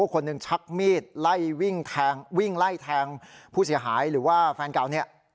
คนหนึ่งชักมีดไล่วิ่งแทงวิ่งไล่แทงผู้เสียหายหรือว่าแฟนเก่าเนี่ย